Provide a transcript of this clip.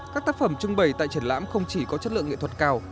các tác phẩm trưng bày tại triển lãm không chỉ có chất lượng nghệ thuật cao